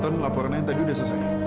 anton laporannya tadi udah selesai